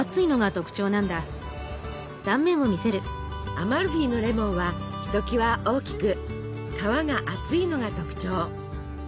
アマルフィのレモンはひときわ大きく皮が厚いのが特徴。